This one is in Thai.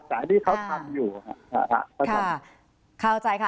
แต่อันนี้เขาทำอยู่ค่ะค่ะค่ะเข้าใจค่ะ